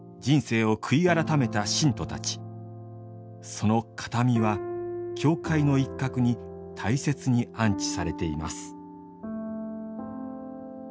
その形見は教会の一角に大切に安置されています。